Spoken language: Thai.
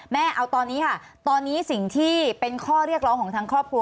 แม่เอาตอนนี้ค่ะตอนนี้สิ่งที่เป็นข้อเรียกร้องของทางครอบครัว